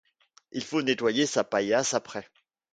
Il faut nettoyer sa paillasse apr